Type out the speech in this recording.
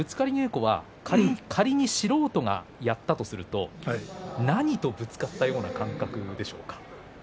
仮に素人がやったとすると何とぶつかったような感覚でしょうか。